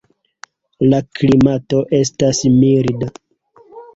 La klimato estas milda.